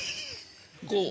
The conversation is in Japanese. こう。